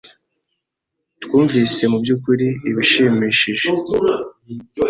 twumvise mu by'ukuri ibishimishije